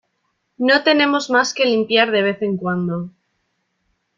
No tenemos más que limpiar de vez en cuando.